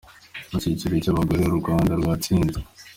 Mu cyiciro cy’abagore, u Rwanda rwatsinze